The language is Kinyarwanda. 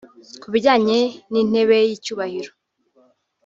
Ku bijyanye n’intebe y’icyubahiro